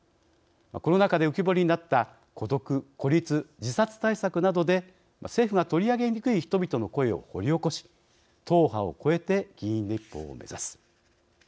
コロナ禍で浮き彫りになった孤独・孤立・自殺対策などで政府が取り上げにくい人々の声を掘り起こし党派を超えて議員立法を目指す。